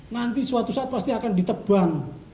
nanti suatu saat pasti akan ditebang